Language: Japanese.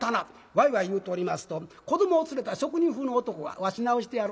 わいわい言うておりますと子どもを連れた職人風の男が「わし直してやる」。